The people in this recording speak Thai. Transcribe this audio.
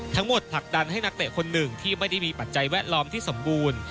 ผลักดันให้นักเตะคนหนึ่งที่ไม่ได้มีปัจจัยแวดล้อมที่สมบูรณ์